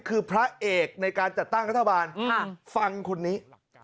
คือพระเอกในการจัดตั้งรัฐบาลฟังคนนี้